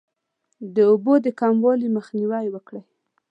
د اوبو د کموالي مخنیوی وکړئ.